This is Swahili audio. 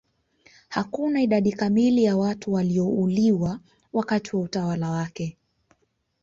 Hakuna idadi kamili ya watu waliouliwa wakati wa utawala wake